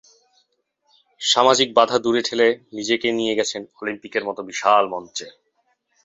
সামাজিক বাধা দূরে ঠেলে নিজেকে নিয়ে গেছেন অলিম্পিকের মতো বিশাল মঞ্চে।